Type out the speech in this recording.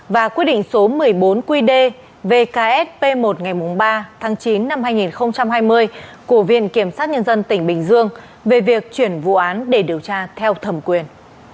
và quyết định số một mươi bốn qd vksp một ngày ba tháng chín năm hai nghìn hai mươi của viện kiểm sát nhân dân tỉnh bình dương về việc chuyển vụ án để điều tra theo thẩm quyền